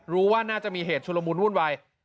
รู้ว่าน่าจะมีเหตุชุลมูลวุ่นวาย